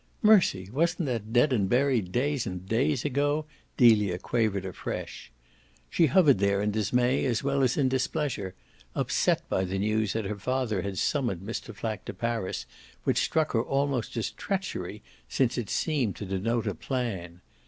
Mercy, wasn't that dead and buried days and days ago?" Delia quavered afresh. She hovered there in dismay as well as in displeasure, upset by the news that her father had summoned Mr. Flack to Paris, which struck her almost as a treachery, since it seemed to denote a plan.